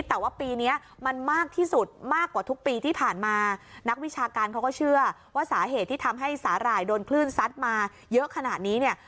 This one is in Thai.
แต่ว่าปีนี้มันมากที่สุดมากกว่าทุกปีที่ผ่านมานักวิชาการเขาก็เชื่อว่าสาเหตุที่ทำให้สาหร่ายโดนคลื่นซัดมาเยอะขนาดนี้เนี่ย